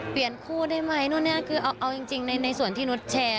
เปลี่ยนคู่ได้ไหมนู่นคือเอาจริงในส่วนที่นุษย์แชร์